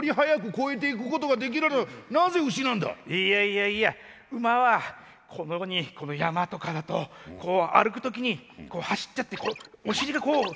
いやいやいや馬はこんなふうにこの山とかだとこう歩く時に走っちゃってお尻がこう。